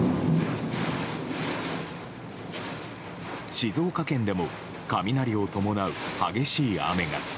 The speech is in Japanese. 静岡県でも雷を伴う激しい雨が。